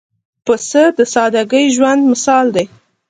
پسه د سادګۍ ژوندى مثال دی.